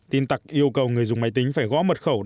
tin tặc yêu cầu người dùng máy tính phải gõ mật khẩu